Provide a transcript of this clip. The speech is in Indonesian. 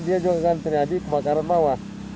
dia juga akan terjadi kebakaran bawah